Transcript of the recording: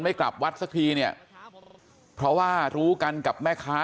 กลับวัดสักทีเนี่ยเพราะว่ารู้กันกับแม่ค้า